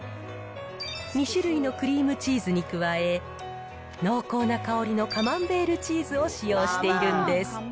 ２種類のクリームチーズに加え、濃厚な香りのカマンベールチーズを使用しているんです。